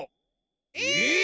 え！